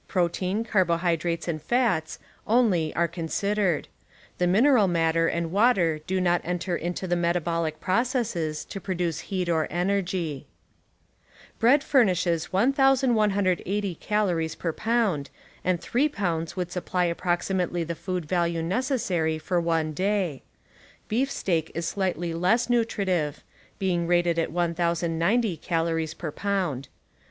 — protein, carbohydrates and fats — only are considered ; the min eral matter and water do not enter into the metabolic processes to produce heat or energy. Bread furnishes 1180 calories per pound and three pounds would supply approximately the food value necessary for one day. Beef steak is slightly less nutritive, being rated at 1090 calories per pound.